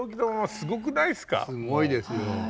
すごいですよ。